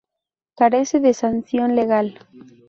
Carece de sanción legal.